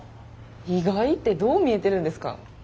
「意外」てどう見えてるんですか。